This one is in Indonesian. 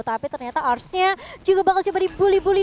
tapi ternyata ars nya juga bakal coba dibully bully